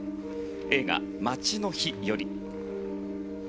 映画「街の灯」より。